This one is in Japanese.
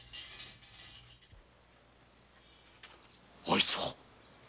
あいつは？